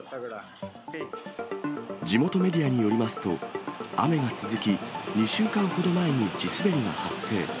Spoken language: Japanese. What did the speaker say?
地元メディアによりますと、雨が続き、２週間ほど前に地滑りが発生。